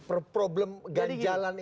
per problem ganjalan ini